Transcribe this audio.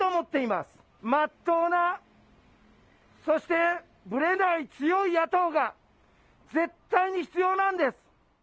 まっとうな、そしてぶれない強い野党が絶対に必要なんです。